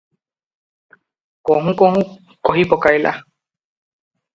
କହୁଁ କହୁଁ କହିପକାଇଲା ।